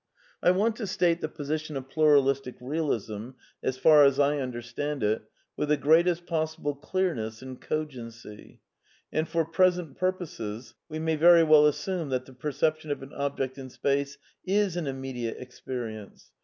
I want to state the posi tion of Pluralistic Realism, as far as I imderstand it, with the greatest possible clearness and cogency, and for pres ent purposes we may very well assume that the perception of an object in space is an immediate experience.